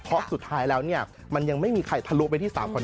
เพราะสุดท้ายแล้วเนี่ยมันยังไม่มีใครทะลุไปที่๓คน